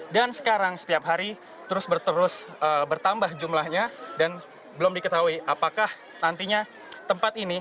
dan sekarang setiap hari terus bertambah jumlahnya dan belum diketahui apakah nantinya tempat ini